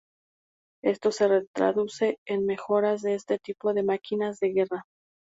Esto se traduce en mejoras de todo tipo de máquinas de guerra.